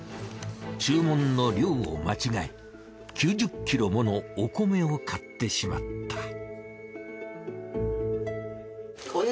注文の量を間違え９０ｋｇものお米を買ってしまった。